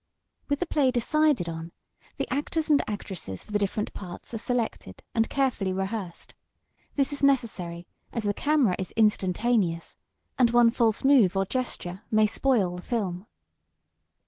With the play decided on, the actors and actresses for the different parts are selected and carefully rehearsed. This is necessary as the camera is instantaneous and one false move or gestures may spoil the film.